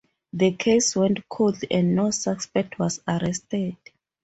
The case went cold, and no suspect was arrested.